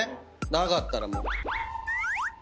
上がったらもう。